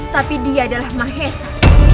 tapi dia adalah mahesa